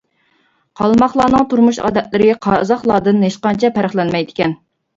قالماقلارنىڭ تۇرمۇش ئادەتلىرى قازاقلاردىن ھېچقانچە پەرقلەنمەيدىكەن.